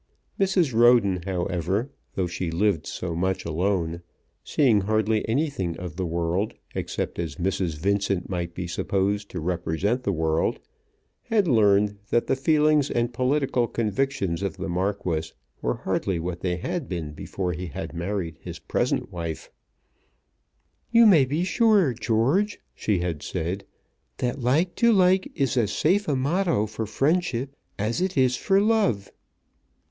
Mrs. Roden, however, though she lived so much alone, seeing hardly anything of the world except as Mrs. Vincent might be supposed to represent the world, had learned that the feelings and political convictions of the Marquis were hardly what they had been before he had married his present wife. "You may be sure, George," she had said, "that like to like is as safe a motto for friendship as it is for love."